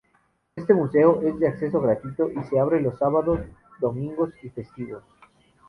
Este museo es de acceso gratuito y se abre los sábados, domingos y festivos.